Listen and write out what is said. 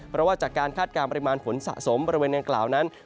เพราะว่าจากการคาดการณ์ปริมาณฝนสะสมบริเวณดังกล่าวนั้น